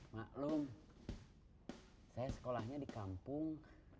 maklum saya sekolahnya di kampung